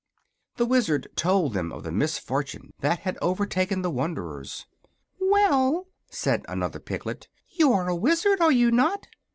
The Wizard told them of the misfortune that had overtaken the wanderers. "Well," said another piglet, "you are a wizard, are you not?"